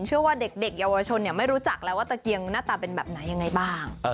เชื่อว่าเด็กเยาวชนไม่รู้จักแล้วว่าตะเกียงหน้าตาเป็นแบบไหนยังไงบ้าง